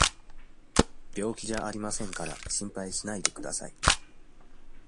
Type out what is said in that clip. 病気じゃありませんから、心配しないでください。